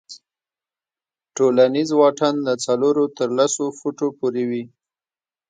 ټولنیز واټن له څلورو تر لسو فوټو پورې وي.